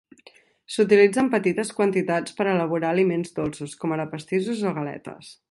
S'utilitza en petites quantitats per elaborar aliments dolços, com ara pastissos o galetes.